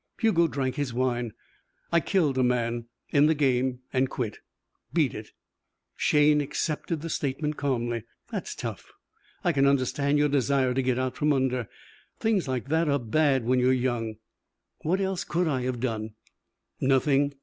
Hugo drank his wine. "I killed a man in the game and quit. Beat it." Shayne accepted the statement calmly. "That's tough. I can understand your desire to get out from under. Things like that are bad when you're young." "What else could I have done?" "Nothing.